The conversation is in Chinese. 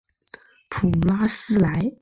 普拉斯莱。